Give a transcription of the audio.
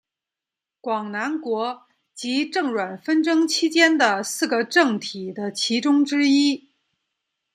广南国及郑阮纷争期间的四个政体的其中之一。